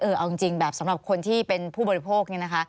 เออเอาจริงแบบสำหรับคนที่เป็นผู้บริโภค